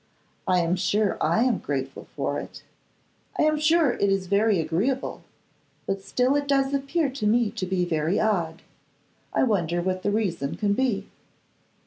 I am sure I am grateful for it; I am sure it is very agreeable, but still it does appear to me to be very odd. I wonder what the reason can be?